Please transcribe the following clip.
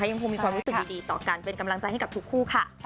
ยังคงมีความรู้สึกดีต่อกันเป็นกำลังใจให้กับทุกคู่ค่ะ